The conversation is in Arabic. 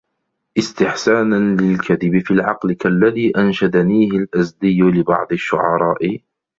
اسْتِحْسَانًا لِلْكَذِبِ فِي الْعَقْلِ كَاَلَّذِي أَنَشَدَنِيهِ الْأَزْدِيُّ لِبَعْضِ الشُّعَرَاءِ